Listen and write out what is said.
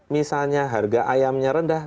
misalnya harga ayamnya rendah